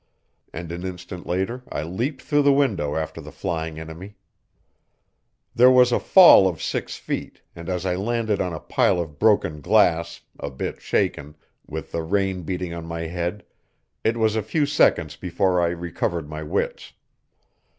And an instant later I leaped through the window after the flying enemy. There was a fall of six feet, and as I landed on a pile of broken glass, a bit shaken, with the rain beating on my head, it was a few seconds before I recovered my wits.